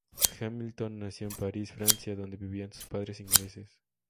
Hamilton nació en París, Francia, donde vivían sus padres ingleses.